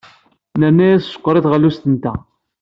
Nerna-as sskeṛ i teɣlust-nteɣ.